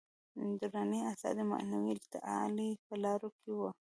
دروني ازادي د معنوي تعالي په لارو کې وه.